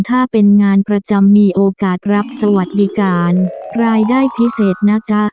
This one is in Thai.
ถ้าเป็นงานประจำมีโอกาสรับสวัสดิการรายได้พิเศษนะจ๊ะ